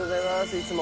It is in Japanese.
いつも。